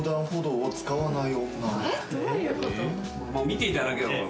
見ていただければ。